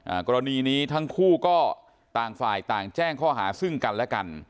กรณีนี้ทั้งคู่ก็ต่างฝ่ายต่างแจ้งข้อหาซึ่งกันและกัน